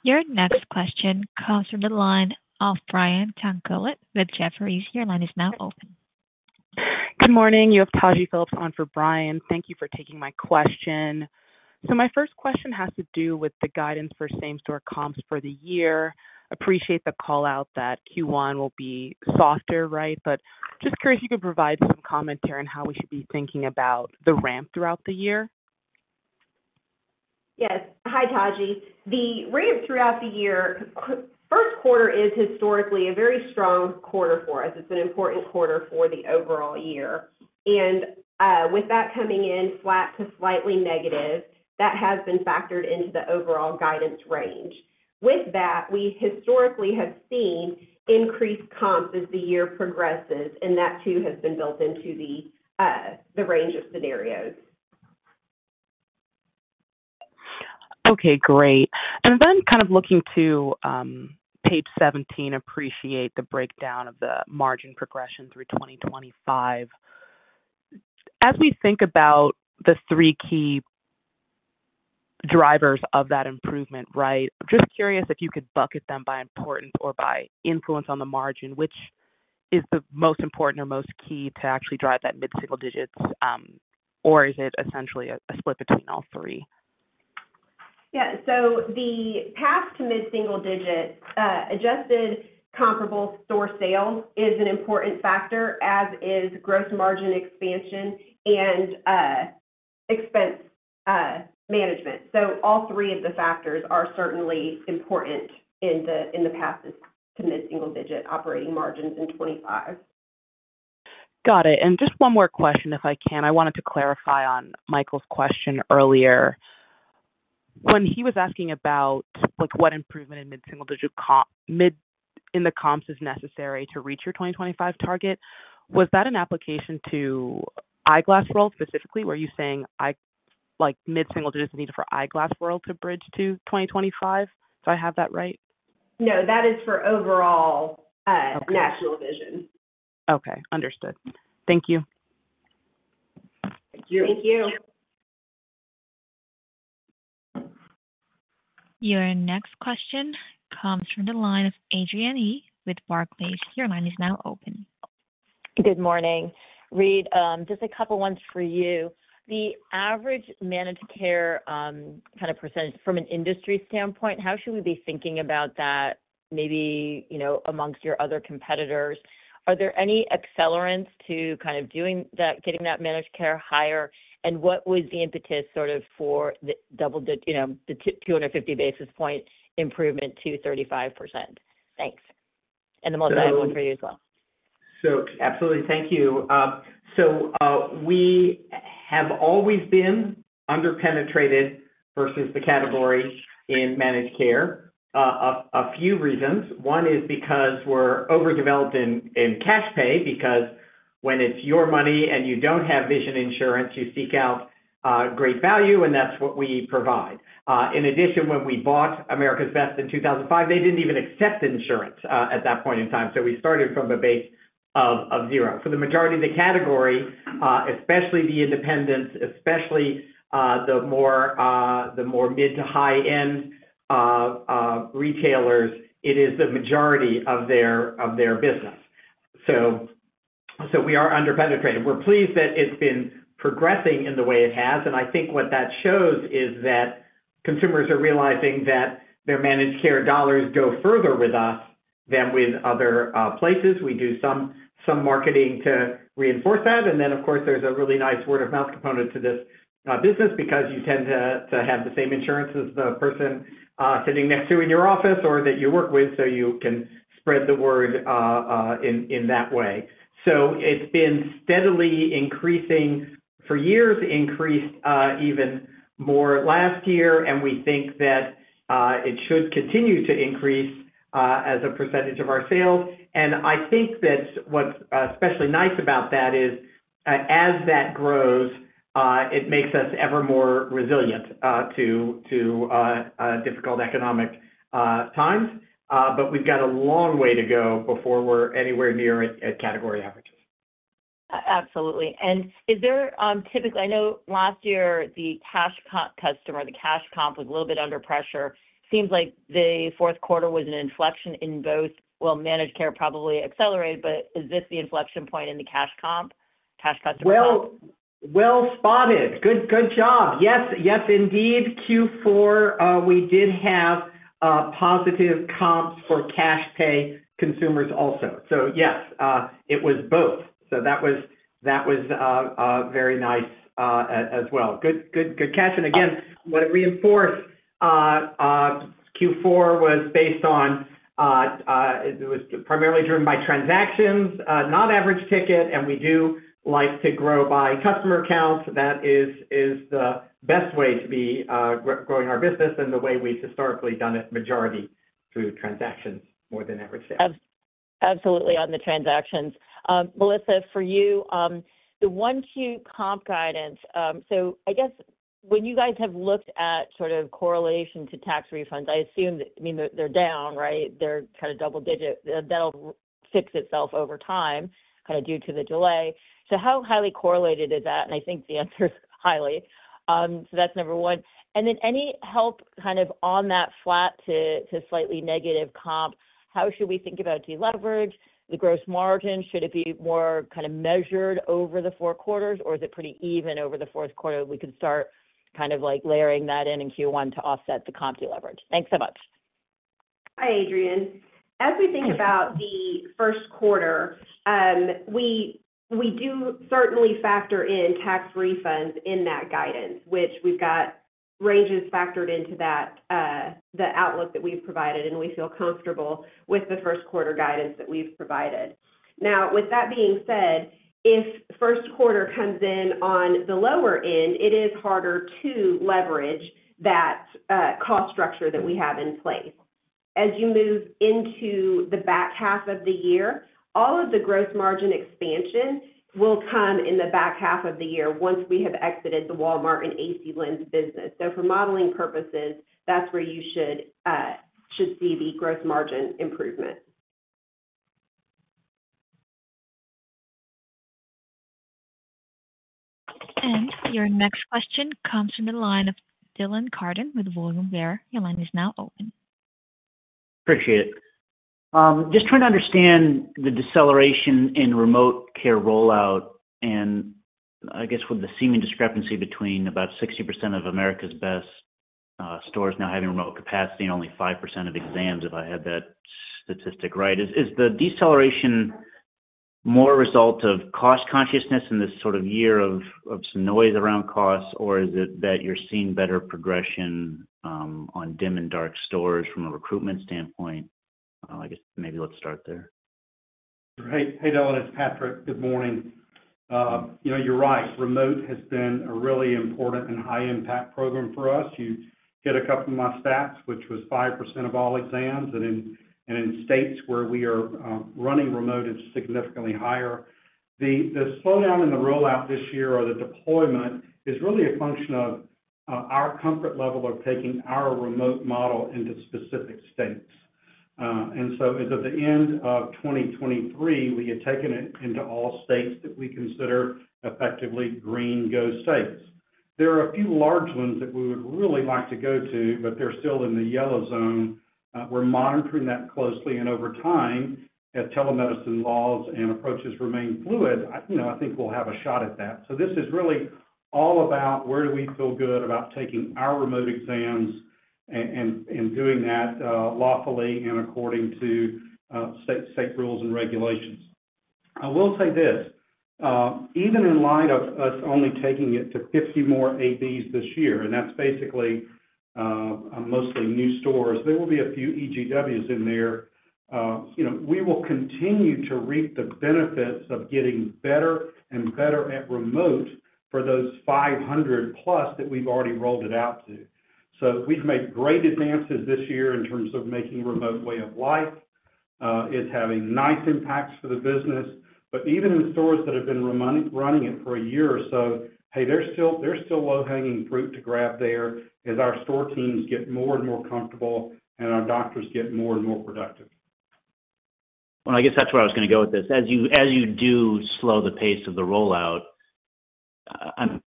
Your next question comes from the line of Brian Tanquilut with Jefferies. Your line is now open. Good morning. You have Taji Phillips on for Brian. Thank you for taking my question. My first question has to do with the guidance for same store comps for the year. Appreciate the call out that Q1 will be softer, right? But just curious if you could provide some commentary on how we should be thinking about the ramp throughout the year. Yes. Hi, Taji. The ramp throughout the year, first quarter is historically a very strong quarter for us. It's an important quarter for the overall year. And with that coming in flat to slightly negative, that has been factored into the overall guidance range. With that, we historically have seen increased comps as the year progresses, and that, too, has been built into the range of scenarios. Okay, great. And then kind of looking to page 17, appreciate the breakdown of the margin progression through 2025. As we think about the three key drivers of that improvement, right? Just curious if you could bucket them by importance or by influence on the margin, which is the most important or most key to actually drive that mid-single digits, or is it essentially a split between all three? Yeah. So the path to mid-single-digit adjusted comparable store sales is an important factor, as is gross margin expansion and expense management. So all three of the factors are certainly important in the path to mid-single-digit operating margins in 2025. Got it. And just one more question, if I can. I wanted to clarify on Michael's question earlier. When he was asking about, like, what improvement in mid-single digit comps is necessary to reach your 2025 target, was that an application to Eyeglass World specifically? Were you saying Eyeglass, like, mid-single digits is needed for Eyeglass World to bridge to 2025? Do I have that right? No, that is for overall, Okay. National Vision. Okay, understood. Thank you. Thank you. Your next question comes from the line of Adrienne Yih with Barclays. Your line is now open. Good morning. Reade, just a couple ones for you. The average managed care kind of percentage from an industry standpoint, how should we be thinking about that, maybe, you know, amongst your other competitors? Are there any accelerants to kind of doing that, getting that managed care higher? And what was the impetus sort of for the double digit, you know, the 250 basis point improvement to 35%? Thanks. And then one for you as well. So, absolutely. Thank you. So, we have always been underpenetrated versus the category in managed care. A few reasons. One is because we're overdeveloped in cash pay, because when it's your money and you don't have vision insurance, you seek out great value, and that's what we provide. In addition, when we bought America's Best in 2005, they didn't even accept insurance at that point in time, so we started from a base of zero. For the majority of the category, especially the independents, especially the more mid to high-end retailers, it is the majority of their business. So we are underpenetrated. We're pleased that it's been progressing in the way it has, and I think what that shows is that consumers are realizing that their managed care dollars go further with us than with other places. We do some marketing to reinforce that. And then, of course, there's a really nice word-of-mouth component to this business because you tend to have the same insurance as the person sitting next to you in your office or that you work with, so you can spread the word in that way. So it's been steadily increasing for years, increased even more last year, and we think that it should continue to increase as a percentage of our sales. I think that what's especially nice about that is, as that grows, it makes us ever more resilient to difficult economic times. We've got a long way to go before we're anywhere near at category averages. Absolutely. And is there, typically, I know last year, the cash customer, the cash comp, was a little bit under pressure. Seems like the fourth quarter was an inflection in both. Well, managed care probably accelerated, but is this the inflection point in the cash comp, cash customer? Well spotted. Good job. Yes, indeed. Q4, we did have positive comps for cash pay consumers also. So yes, it was both. So that was a very nice as well. Good catch. And again, what it reinforced, Q4 was based on, it was primarily driven by transactions, not average ticket, and we do like to grow by customer accounts. That is the best way to be growing our business and the way we've historically done it, majority through transactions more than average sales. Absolutely on the transactions. Melissa, for you, the 1-2 comp guidance, so I guess when you guys have looked at sort of correlation to tax refunds, I assume that, I mean, they're, they're down, right? They're kind of double-digit. That'll fix itself over time, kind of due to the delay. So how highly correlated is that? And I think the answer is highly. So that's number one. And then any help, kind of, on that flat to slightly negative comp, how should we think about deleverage, the gross margin? Should it be more kind of measured over the four quarters, or is it pretty even over the fourth quarter, we could start kind of, like, layering that in in Q1 to offset the comp deleverage? Thanks so much. Hi, Adrienne. As we think about the first quarter, we do certainly factor in tax refunds in that guidance, which we've got ranges factored into that, the outlook that we've provided, and we feel comfortable with the first quarter guidance that we've provided. Now, with that being said, if first quarter comes in on the lower end, it is harder to leverage that, cost structure that we have in place. As you move into the back half of the year, all of the gross margin expansion will come in the back half of the year once we have exited the Walmart and AC Lens business. So for modeling purposes, that's where you should see the gross margin improvement. Your next question comes from the line of Dylan Carden with William Blair. Your line is now open. Appreciate it. Just trying to understand the deceleration in remote care rollout, and I guess with the seeming discrepancy between about 60% of America's Best stores now having remote capacity and only 5% of exams, if I have that statistic right. Is the deceleration more a result of cost consciousness in this sort of year of some noise around costs, or is it that you're seeing better progression on dim and dark stores from a recruitment standpoint? I guess maybe let's start there. Hey, hey, Dylan, it's Patrick. Good morning. You know, you're right. Remote has been a really important and high impact program for us. You hit a couple of my stats, which was 5% of all exams, and in states where we are running remote, it's significantly higher. The slowdown in the rollout this year or the deployment is really a function of our comfort level of taking our remote model into specific states. And so as of the end of 2023, we had taken it into all states that we consider effectively green go states. There are a few large ones that we would really like to go to, but they're still in the yellow zone. We're monitoring that closely, and over time, as telemedicine laws and approaches remain fluid, I, you know, I think we'll have a shot at that. So this is really all about where do we feel good about taking our remote exams and doing that lawfully and according to state rules and regulations. I will say this, even in light of us only taking it to 50 more ABs this year, and that's basically mostly new stores, there will be a few EGWs in there. You know, we will continue to reap the benefits of getting better and better at remote for those 500+ that we've already rolled it out to. So we've made great advances this year in terms of making remote way of life. It's having nice impacts for the business, but even in stores that have been re-running it for a year or so, hey, there's still, there's still low-hanging fruit to grab there as our store teams get more and more comfortable and our doctors get more and more productive. Well, I guess that's where I was gonna go with this. As you, as you do slow the pace of the rollout,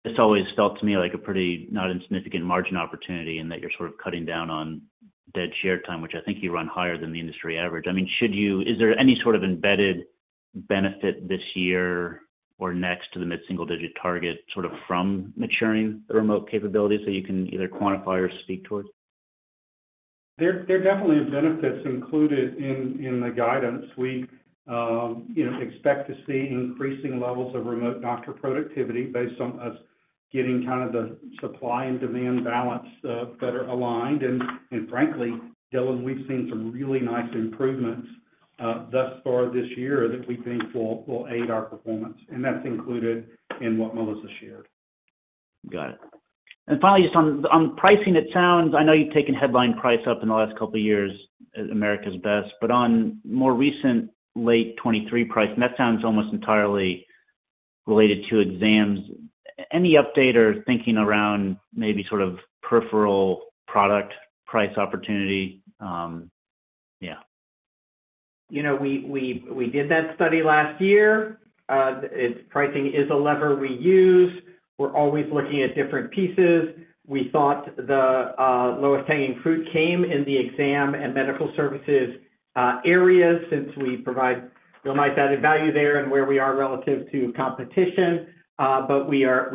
this always felt to me like a pretty not insignificant margin opportunity and that you're sort of cutting down on dead chair time, which I think you run higher than the industry average. I mean, should you-- is there any sort of embedded benefit this year or next to the mid-single-digit target, sort of from maturing the remote capabilities that you can either quantify or speak towards? There definitely are benefits included in the guidance. We, you know, expect to see increasing levels of remote doctor productivity based on us getting kind of the supply and demand balance better aligned. And frankly, Dylan, we've seen some really nice improvements thus far this year that we think will aid our performance, and that's included in what Melissa shared. Got it. And finally, just on pricing, it sounds... I know you've taken headline price up in the last couple of years at America's Best, but on more recent late 2023 pricing, that sounds almost entirely related to exams. Any update or thinking around maybe sort of peripheral product price opportunity? Yeah. You know, we did that study last year. It's pricing is a lever we use. We're always looking at different pieces. We thought the lowest hanging fruit came in the exam and medical services areas since we provide real nice added value there and where we are relative to competition. But we're not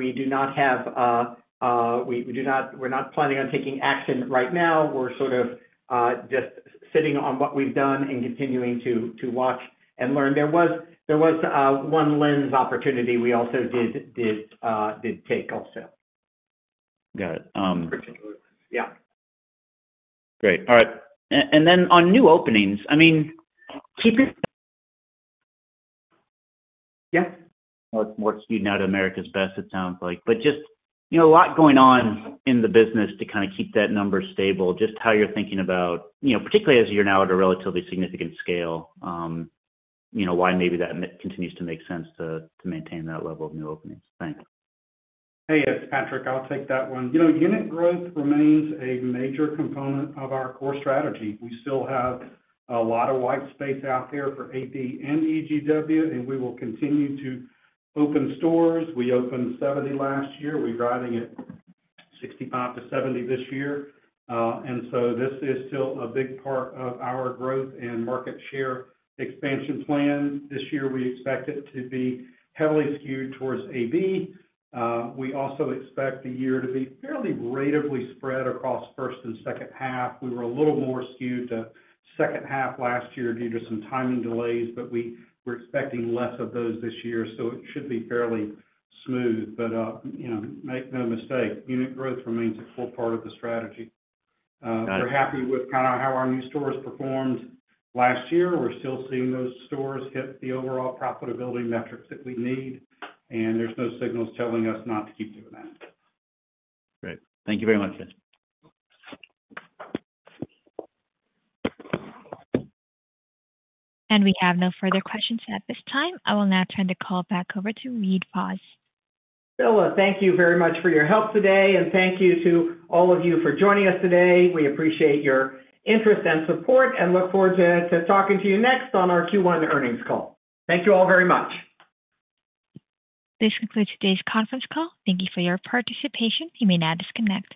planning on taking action right now. We're sort of just sitting on what we've done and continuing to watch and learn. There was one lens opportunity we also did take also. Got it, Particular. Yeah. Great. All right. And then on new openings, I mean, keeping- Yeah. More, more skewed now to America's Best, it sounds like. But just, you know, a lot going on in the business to kinda keep that number stable. Just how you're thinking about, you know, particularly as you're now at a relatively significant scale, you know, why maybe that continues to make sense to, to maintain that level of new openings? Thanks. Hey, it's Patrick. I'll take that one. You know, unit growth remains a major component of our core strategy. We still have a lot of white space out there for AB and EGW, and we will continue to open stores. We opened 70 last year. We're driving at 65-70 this year. And so this is still a big part of our growth and market share expansion plan. This year, we expect it to be heavily skewed towards AB. We also expect the year to be fairly ratably spread across first and second half. We were a little more skewed to second half last year due to some timing delays, but we're expecting less of those this year, so it should be fairly smooth. But, you know, make no mistake, unit growth remains a full part of the strategy. Got it. We're happy with kinda how our new stores performed last year. We're still seeing those stores hit the overall profitability metrics that we need, and there's no signals telling us not to keep doing that. Great. Thank you very much, guys. We have no further questions at this time. I will now turn the call back over to Reade Fahs. Stella, thank you very much for your help today, and thank you to all of you for joining us today. We appreciate your interest and support, and look forward to talking to you next on our Q1 earnings call. Thank you all very much. This concludes today's conference call. Thank you for your participation. You may now disconnect.